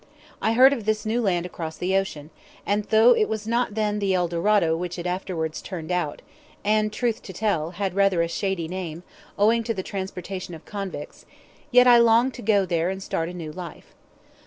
I heard of this new land across the ocean, and though it was not then the El Dorado which it afterwards turned out, and, truth to tell, had rather a shady name, owing to the transportation of convicts, yet I longed to go there and start a new life.